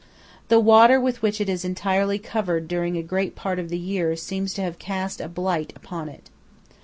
The water with which it is entirely covered during a great part of the year seems to have cast a blight upon it.